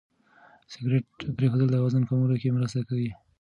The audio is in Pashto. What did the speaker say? سګرېټ پرېښودل د وزن کمولو کې مرسته کوي.